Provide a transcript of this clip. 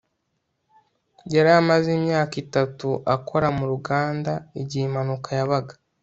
yari amaze imyaka itatu akora mu ruganda igihe impanuka yabaga